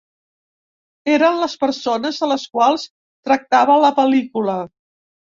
Eren les persones de les quals tractava la pel·lícula.